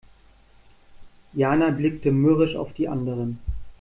Jana blickte mürrisch auf die anderen.